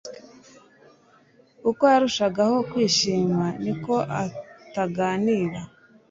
uko yarushagaho kwishima, niko ataganira